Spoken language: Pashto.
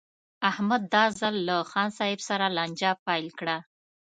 احمد دا ځل له خان صاحب سره لانجه پیل کړه.